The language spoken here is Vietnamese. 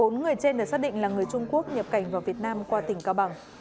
bốn người trên được xác định là người trung quốc nhập cảnh vào việt nam qua tỉnh cao bằng